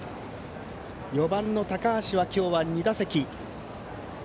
４番の高橋は今日は２打席。